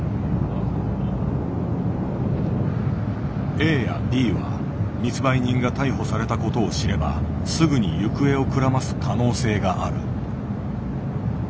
ＡやＢは密売人が逮捕されたことを知ればすぐに行方をくらます可能性がある。